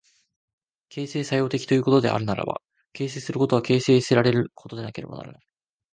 形成作用的ということであるならば、形成することは形成せられることでなければならない。